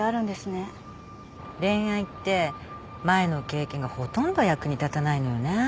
恋愛って前の経験がほとんど役に立たないのよね。